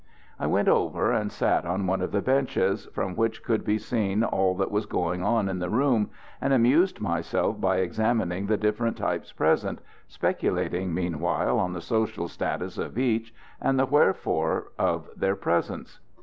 I went over and sat on one of the benches, from which could be seen all that was going on in the room, and amused myself by examining the different types present, speculating, meanwhile, on the social status of each and the wherefore of their presence.